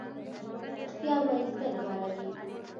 رښتیا ویل تل غوره وي.